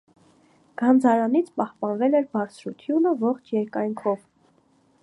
Գանձարանից պահպանվել էր բարձրությունը՝ ողջ երկայնքով։